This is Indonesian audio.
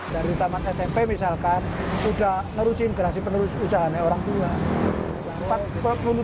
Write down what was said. dari taman smp misalkan sudah ngerusin gerasi penerus usahanya orang tua